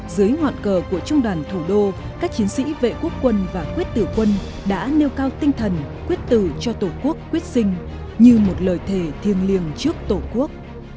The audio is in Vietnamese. dưới ngọn cờ của trung đoàn thủ đô các chiến sĩ vệ quốc quân và quyết tử quân đã nêu cao tinh thần quyết tử cho tổ quốc quyết sinh như một lời thề thiêng liêng trước tổ quốc